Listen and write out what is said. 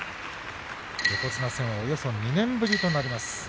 横綱戦はおよそ２年ぶりです。